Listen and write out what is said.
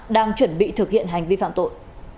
để chuẩn bị thực hiện hành vi phạm tội